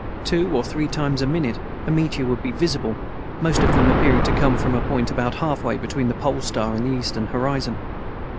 Two or three times a minute a meteor would be visible, most of them appearing to come from a point about halfway between the Pole Star and the eastern horizon.